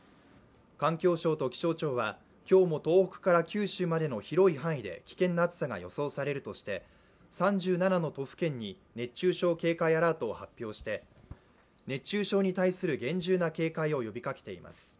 環境省と気象庁は、今日も東北から九州までの広い範囲で危険な暑さが予想されるとして３７の都府県に熱中症警戒アラートを発表して、熱中症に対する厳重な警戒を呼びかけています。